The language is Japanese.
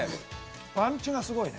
パンチがすごいね。